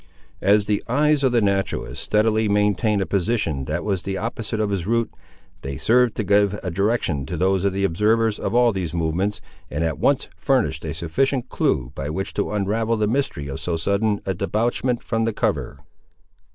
As the eyes of the naturalist steadily maintained a position that was the opposite of his route, they served to give a direction to those of the observers of all these movements, and at once furnished a sufficient clue by which to unravel the mystery of so sudden a debouchement from the cover.